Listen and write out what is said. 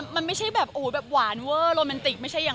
มันไม่ใช่แบบอู๋แบบหวานเวอร์โรแมนติกไม่ใช่อย่าง